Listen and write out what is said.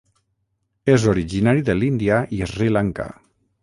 És originari de l'Índia i Sri Lanka.